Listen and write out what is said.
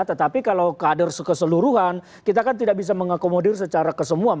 tetapi kalau kader keseluruhan kita kan tidak bisa mengakomodir secara kesemua